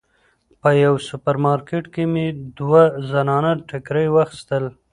په یوه سوپر مارکیټ کې مې دوه زنانه ټیکري واخیستل.